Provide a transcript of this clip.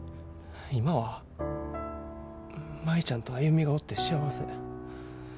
今は舞ちゃんと歩がおって幸せ。